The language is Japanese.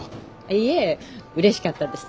いえうれしかったです。